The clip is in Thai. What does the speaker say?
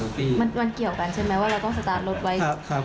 มันเกี่ยวกันใช่ไหมว่าเราต้องสตาร์ทรถไว้